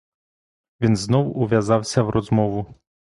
Він знов ув'язався в розмову.